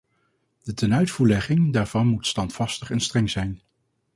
De tenuitvoerlegging daarvan moet standvastig en streng zijn.